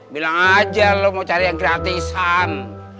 bilang aja lo mau cari yang gratisan